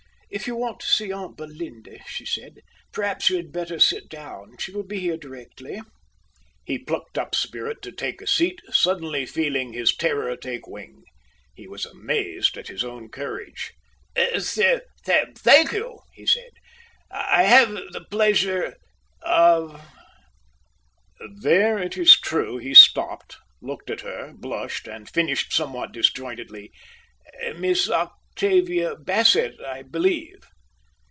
"If you want to see aunt Belinda," she said, "perhaps you had better sit down. She will be here directly." He plucked up spirit to take a seat, suddenly feeling his terror take wing. He was amazed at his own courage. "Th thank you," he said. "I have the pleasure of" There, it is true, he stopped, looked at her, blushed, and finished somewhat disjointedly. "Miss Octavia Bassett, I believe."